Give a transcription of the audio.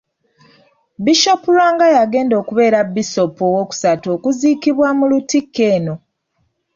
Bishop Lwanga y'agenda okubeera Bisoopu owookusatu okuziikibwa mu Lutikko eno.